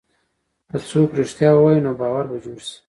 که څوک رښتیا ووایي، نو باور به جوړ شي.